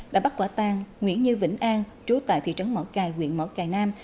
đã bắt quả tang nguyễn như vĩnh an trú tại thị trấn mở cài huyện mở cài nam